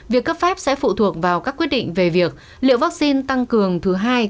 việc cấp phép sẽ phụ thuộc vào các quyết định về việc liệu vaccine tăng cường thứ hai